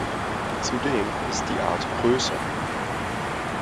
Zudem ist die Art größer.